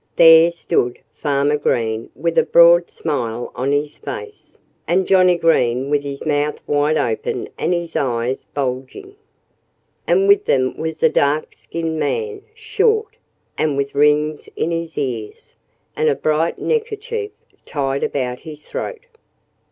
There stood Farmer Green with a broad smile on his face, and Johnnie Green with his mouth wide open and his eyes bulging. And with them was a dark skinned man, short, and with rings in his ears, and a bright neckerchief tied about his throat.